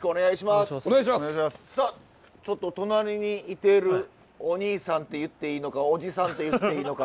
ちょっと隣にいてるお兄さんって言っていいのかおじさんって言っていいのか。